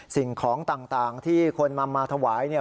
สิ่งของต่างที่ควรมามาถวาย